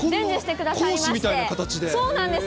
そうなんですよ。